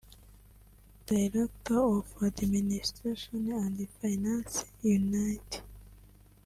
Director of Administration and Finance Unit (